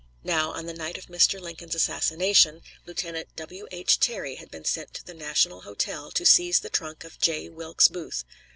Now, on the night of Mr. Lincoln's assassination, Lieutenant W. H. Terry had been sent to the National Hotel to seize the trunk of J. Wilkes Booth.